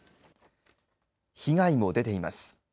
被害も出ています。